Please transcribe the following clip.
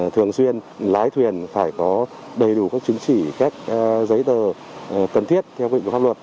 thường xuyên lái thuyền phải có đầy đủ các chứng chỉ các giấy tờ cần thiết theo quy định của pháp luật